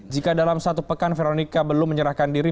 jika dalam satu pekan veronica belum menyerahkan diri